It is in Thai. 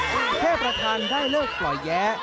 แค่ประธานได้เลิกปล่อยแย้